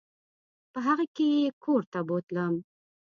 په هغه کې یې کور ته بوتلم.